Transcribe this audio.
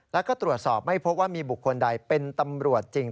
แล้วก็ตรวจสอบไม่พบว่ามีบุคคลใดเป็นตำรวจจริง